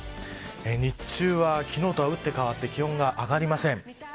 日中は昨日とはうって変わって気温が上がりません。